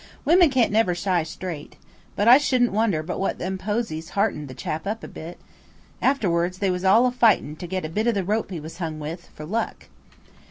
"Women can't never shy straight. But I shouldn't wonder but what them posies heartened the chap up a bit. An afterwards they was all a fightin' to get a bit of the rope he was hung with, for luck."